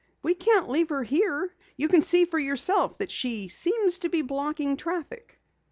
"We can't leave her here. You can see for yourself that she seems to be blocking traffic."